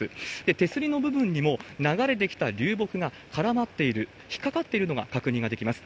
手すりの部分にも流れてきた流木が絡まっている、引っ掛かっているのが確認ができます。